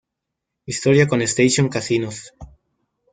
Historia con Station Casinos.